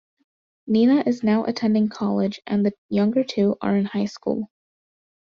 Nina is now attending college and the younger two are in high school.